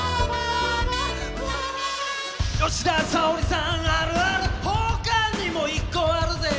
「吉田沙保里さんあるある他にも１個あるぜ」